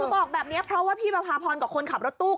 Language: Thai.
คือบอกแบบนี้เพราะว่าพี่ประพาพรกับคนขับรถตู้